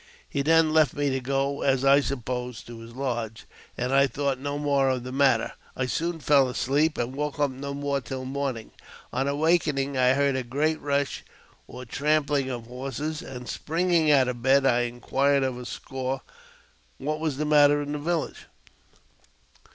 He then left me to go, as I supposed, to his lodge, and I thought no more of the matter. I soon fell asleep, and woke no more till morning. On awaking, I heard a great rush or trampling of horses, and, springing out of bed, I inquired of a squaw what was the matter in the village.